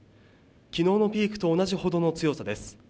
きのうのピークと同じほどの強さです。